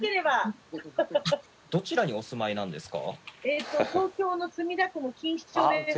どちらにお住まいなんですか？